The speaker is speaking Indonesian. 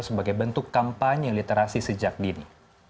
sebagai bentuk kampanye literasi sejak dini